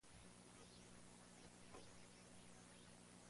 Wilson accede y habla con el policía.